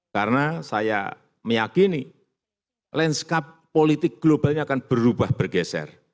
karena saya meyakini landscape politik globalnya akan berubah bergeser